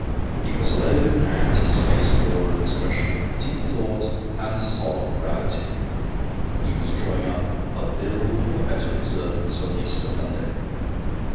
He was alone, and his face bore an expression of deep thought and solemn gravity he was drawing up " A Bill for the better observance of Easter Monday."